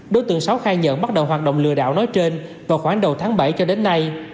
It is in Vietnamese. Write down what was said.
đối tượng sáu khai nhận bắt đầu hoạt động lừa đảo nói trên vào khoảng đầu tháng bảy cho đến nay